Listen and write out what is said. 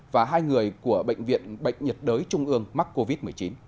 và hai người của bệnh viện bệnh nhiệt đới trung ương mắc covid một mươi chín